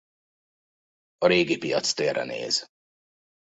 A régi piactérre néz.